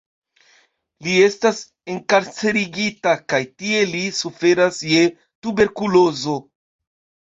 Li estas enkarcerigita, kaj tie li suferas je tuberkulozo.